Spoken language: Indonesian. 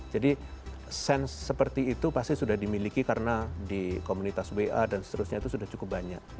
jadi sense seperti itu pasti sudah dimiliki karena di komunitas wa dan seterusnya itu sudah cukup banyak